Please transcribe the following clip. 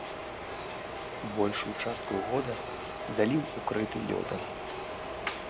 Большую частку года заліў укрыты лёдам.